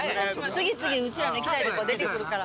次々うちらの行きたいとこ出てくるから。